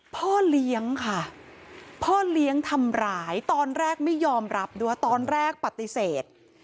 พ่อเลี้ยงค่ะพ่อเลี้ยงทำร้ายตอนแรกไม่ยอมรับด้วยตอนแรกปฏิเสธ